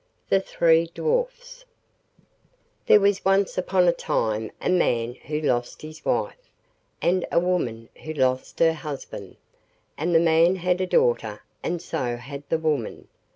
THE THREE DWARFS There was once upon a time a man who lost his wife, and a woman who lost her husband; and the man had a daughter and so had the woman.